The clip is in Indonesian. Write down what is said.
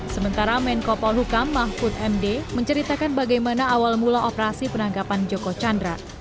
sementara menko polhukam mahfud md menceritakan bagaimana awal mula operasi penangkapan joko chandra